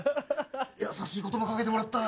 優しい言葉掛けてもらったな。